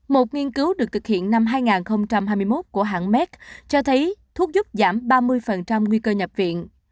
một nghiên cứu được thực hiện năm hai nghìn hai mươi một của hãng met cho thấy thuốc giúp giảm ba mươi nguy cơ nhập viện